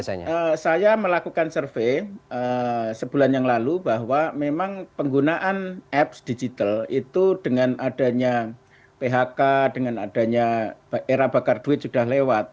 saya melakukan survei sebulan yang lalu bahwa memang penggunaan apps digital itu dengan adanya phk dengan adanya era bakar duit sudah lewat